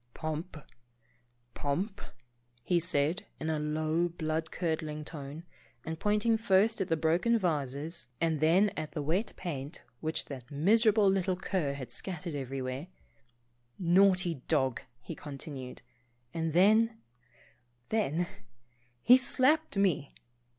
"Pomp, Pomp," he said, in a low blood cur dling tone, and pointing first at the broken vases and then at the wet paint which that miserable little cur had scattered everywhere, " naughty dog," he continued, and then — then — he slapped me!